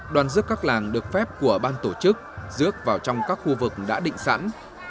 đoàn rước các làng được phép của ban tổ chức rước vào trong các khu vực đã định sẵn